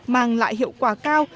mang lại hiệu quả cao